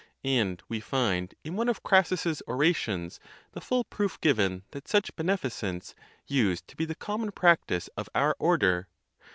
And we find in one of Crassus's orations the full proof given that such beneficence used to be the common practice of our order.